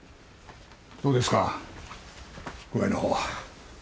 どうですか具合の方は？